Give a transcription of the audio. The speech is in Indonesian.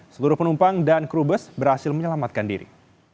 seluruh penumpang dan kru bus berhasil menyelamatkan diri